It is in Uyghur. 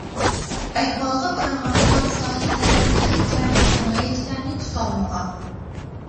ئەھۋالغا قارىغاندا ساقچى تەرەپ تېخىچە بۇ جىنايەتچىلەرنى تۇتالمىغان.